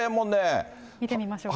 見てみましょうか。